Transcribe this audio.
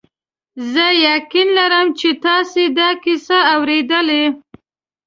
زه یقین لرم چې تاسي دا کیسه اورېدلې.